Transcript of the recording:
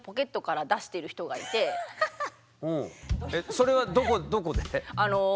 それはどこで？